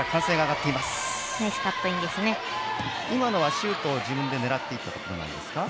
今のはシュートを自分で狙っていったんですか。